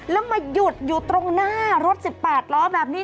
แล้วมาหยุดอยู่ตรงหน้ารถ๑๘ล้อแบบนี้